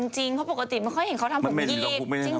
จริงเพราะปกติไม่ค่อยเห็นเขาทำผมอีก